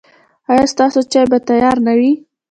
ایا ستاسو چای به تیار نه وي؟